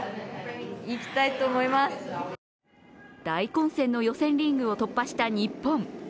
大混戦の予選リーグを突破した日本。